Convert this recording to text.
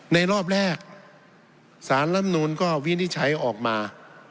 ในรอบแรกสารลำนูนก็วินิจฉัยออกมา